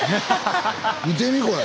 見てみこれ。